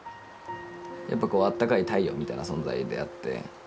やっぱこうあったかい太陽みたいな存在であって。